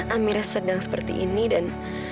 amirnya sedang seperti ini dan